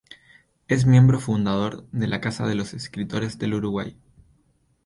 Es miembro fundador de la Casa de los Escritores del Uruguay.